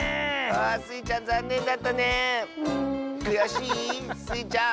くやしい？スイちゃん。